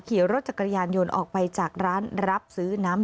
ขี่รถจักรยานยนต์ออกไปจากร้านรับซื้อน้ำ